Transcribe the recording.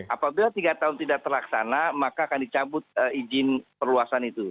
apabila tiga tahun tidak terlaksana maka akan dicabut izin perluasan itu